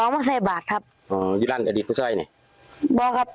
และอันต่ำภาพครับ